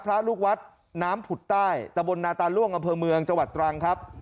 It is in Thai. พระลูกวัดน้ำผุดใต้ตะบนนาตาล่วงอำเภอเมืองจังหวัดตรังครับ